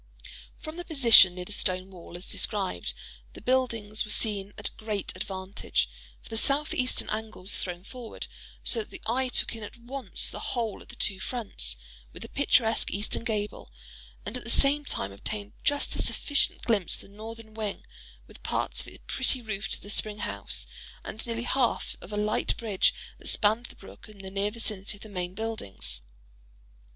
From the position near the stone wall, as described, the buildings were seen at great advantage—for the southeastern angle was thrown forward—so that the eye took in at once the whole of the two fronts, with the picturesque eastern gable, and at the same time obtained just a sufficient glimpse of the northern wing, with parts of a pretty roof to the spring house, and nearly half of a light bridge that spanned the brook in the near vicinity of the main buildings.